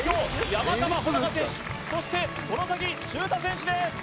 山川穂高選手そして外崎修汰選手です